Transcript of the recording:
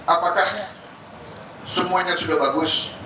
apakah semuanya sudah bagus